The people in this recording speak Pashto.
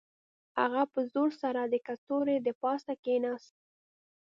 هغه په زور سره د کڅوړې د پاسه کښیناست